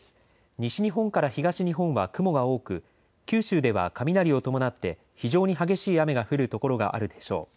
西日本から東日本は雲が多く九州では雷を伴って非常に激しい雨が降る所があるでしょう。